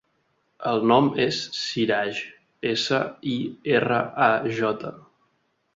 El nom és Siraj: essa, i, erra, a, jota.